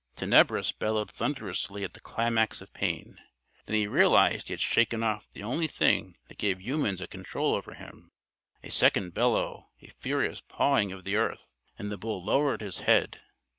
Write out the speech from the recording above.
Tenebris bellowed thunderously at the climax of pain. Then he realized he had shaken off the only thing that gave humans a control over him. A second bellow a furious pawing of the earth and the bull lowered his head.